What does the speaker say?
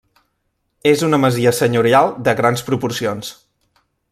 És una masia senyorial de grans proporcions.